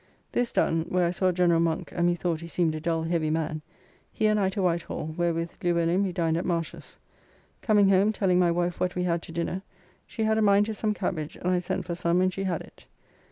This done (where I saw General Monk and methought he seemed a dull heavy man), he and I to Whitehall, where with Luellin we dined at Marsh's. Coming home telling my wife what we had to dinner, she had a mind to some cabbage, and I sent for some and she had it.